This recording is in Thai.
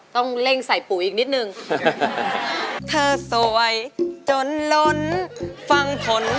ต้องเล่นใส่ปู่อีกนิดนึง